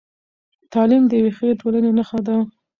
تعلیم د یوې ښې ټولنې نښه ده.